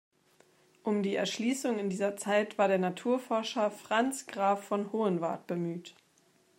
Um die Erschließung in dieser Zeit war der Naturforscher Franz Graf von Hohenwart bemüht.